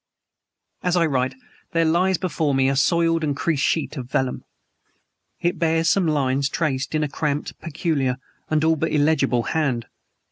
As I write, there lies before me a soiled and creased sheet of vellum. It bears some lines traced in a cramped, peculiar, and all but illegible hand.